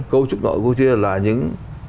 cấu trúc nội của kia là những